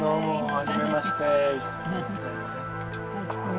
はじめまして。